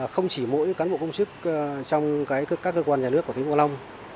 không chỉ mỗi cán bộ công chức trong các cơ quan nhà nước của thành phố hạ long